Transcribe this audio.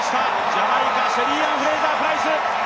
ジャマイカシェリーアン・フレイザープライス。